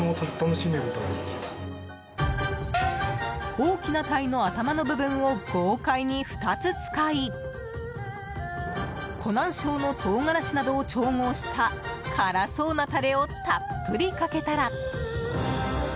大きな鯛の頭の部分を豪快に２つ使い湖南省の唐辛子などを調合した辛そうなタレをたっぷりかけたら。